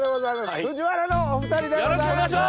ＦＵＪＩＷＡＲＡのお２人でございます。